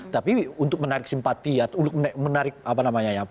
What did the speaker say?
tapi untuk menarik simpati atau menarik apa namanya ya